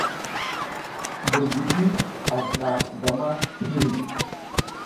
Mbur gudi vuɗa gam a ti ɓiri .